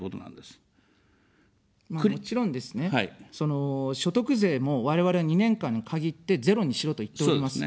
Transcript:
もちろんですね、その所得税も、我々は２年間に限ってゼロにしろと言っております。